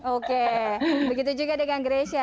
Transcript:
oke begitu juga dengan grecia